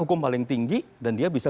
hukum paling tinggi dan dia bisa